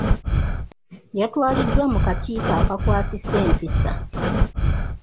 Yatwaliddwa mu kakiiko akakwasisa empisa.